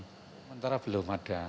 sementara belum ada